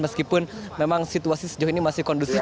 meskipun memang situasi sejauh ini masih kondusif